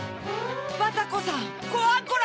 バタコさんコアンコラ！